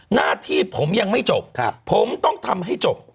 หน้าที่ผมยังไม่จบผมต้องทำให้จบ